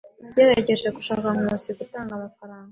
Nagerageje gushaka Nkusi gutanga amafaranga.